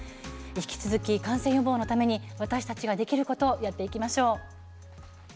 引き続き感染予防のために私たちにできることをやっていきたいですね。